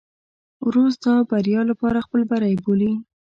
ورور ستا بریا خپل بری بولي.